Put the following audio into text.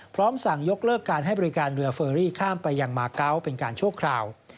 พร้อมสั่งยกเลิกการให้บริการเรือเฟอรี่ข้ามไปยังมาเกาะเป็นการชั่วคราว